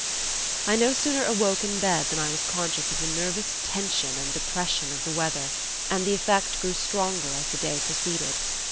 I no sooner awoke in bed than I was conscious of the nervous tension and depression of the weather, and the effect grew stronger as the day proceeded.